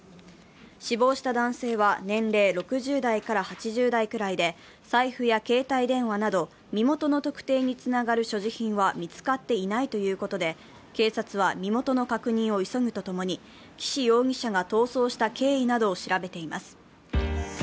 死亡した男性は年齢６０代から８０代くらいで財布や携帯電話など身元の特定につながる所持品は見つかっていないとのことで警察は身元の確認を急ぐとともに「Ｓｕｎトピ」、奈良岡さんです。